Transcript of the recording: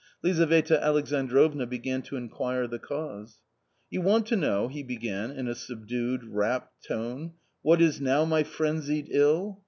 Lizaveta Alex androvna began to inquire the cause. "You want to know," he began in a subdued, rapt tone, "' what is now my frenzied ill